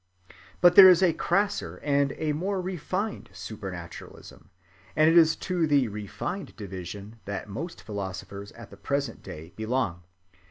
But there is a crasser and a more refined supernaturalism, and it is to the refined division that most philosophers at the present day belong.